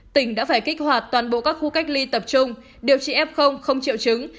tỉnh đã phải kích hoạt toàn bộ các khu cách ly tập trung điều trị f không triệu chứng